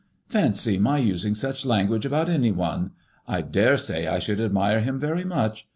"Fancy my using such lan guage about any one! I dare say I should admire him very much.